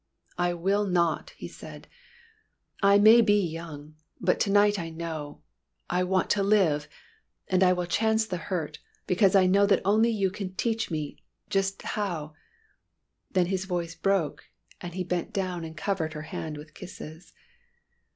"I will not!" he said. "I may be young, but to night I know I want to live! And I will chance the hurt, because I know that only you can teach me just how "' Then his voice broke, and he bent down and covered her hand with kisses.